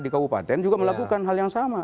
di kabupaten juga melakukan hal yang sama